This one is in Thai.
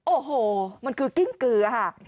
โอ้โหมันคือกิ้งเกลือค่ะ